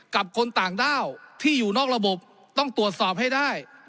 คนต่างด้าวที่อยู่นอกระบบต้องตรวจสอบให้ได้